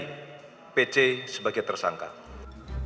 dan juga penyelamatkan sebagian dari penyelamatannya